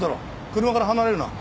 車から離れるな。